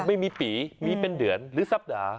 ไม่มีปีมีเป็นเดือนหรือสัปดาห์